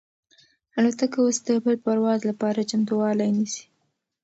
الوتکه اوس د بل پرواز لپاره چمتووالی نیسي.